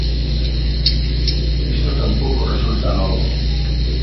Isto tampouco resulta novo.